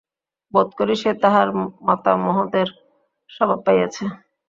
বােধ করি সে তাহার মাতামহদের স্বভাব পাইয়াছে।